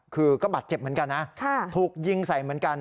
คือก็บาดเจ็บเหมือนกันนะถูกยิงใส่เหมือนกัน